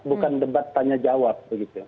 bukan debat tanya jawab begitu